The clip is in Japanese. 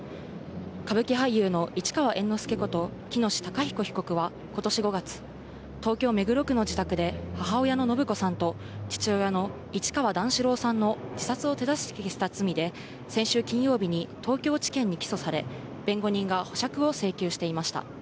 歌舞伎俳優の市川猿之助こと喜熨斗孝彦被告はことし５月、東京・目黒区の自宅で母親の延子さんと、父親の市川段四郎さんの自殺を手助けした罪で、先週金曜日に東京地検に起訴され、弁護人が保釈を請求していました。